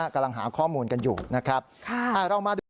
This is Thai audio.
กำลังหาข้อมูลกันอยู่นะครับเรามาดู